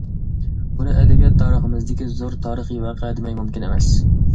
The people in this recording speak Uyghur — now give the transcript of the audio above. بۇنى ئەدەبىيات تارىخىمىزدىكى زور تارىخىي ۋەقە دېمەي مۇمكىن ئەمەس.